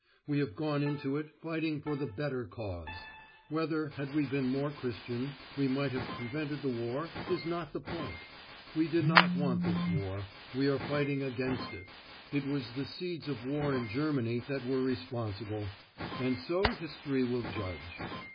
We have gone into it, fighting for the better cause. Whether, had we been more Christian, we might have prevented the war, is not the point. We did not want this war: we are fighting against it. It was the seeds of war in Germany that were responsible. And so history will judge.